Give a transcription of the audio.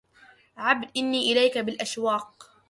عبد إني إليك بالأشواق